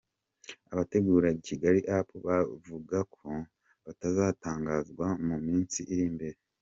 Abategura KigaliUp! bavuga ko bazatangazwa mu minsi iri imbere.